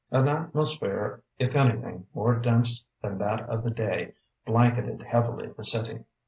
An atmosphere if anything more dense than that of the day blanketed heavily the city.